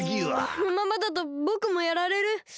このままだとぼくもやられるそうだ！